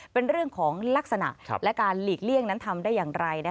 เป็นเรื่องของลักษณะและการหลีกเลี่ยงนั้นทำได้อย่างไร